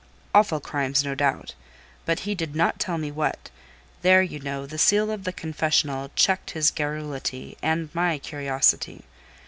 "Awful crimes, no doubt; but he did not tell me what: there, you know, the seal of the confessional checked his garrulity, and my curiosity.